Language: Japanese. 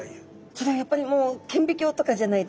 それはやっぱりもう顕微鏡とかじゃないと？